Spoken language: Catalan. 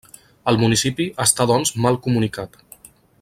El municipi està doncs mal comunicat.